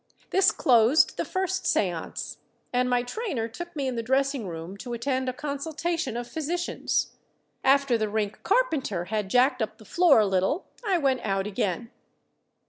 This closed the first seance, and my trainer took me in the dressing room to attend a consultation of physicians. After the rink carpenter had jacked up the floor a little I went out again.